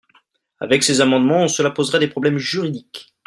Avec ces amendements, cela poserait des problèmes juridiques.